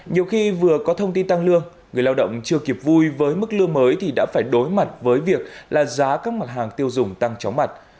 nhiều khi vừa có thông tin tăng lương người lao động chưa kịp vui với mức lương mới thì đã phải đối mặt với việc là giá các mặt hàng tiêu dùng tăng chóng mặt